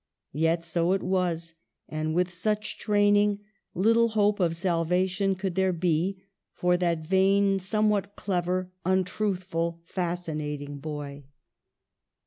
Yet so it was, and with such training, little hope of salvation could there be for that vain, somewhat clever, untruth ful, fascinating boy.